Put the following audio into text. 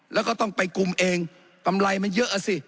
แล้วก็ต้องไปกลุ่มเองกำไรมันเยอะอ่ะสิ